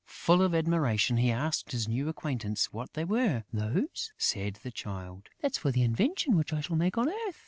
Full of admiration, he asked his new acquaintance what they were. "Those?" said the Child. "That's for the invention which I shall make on earth."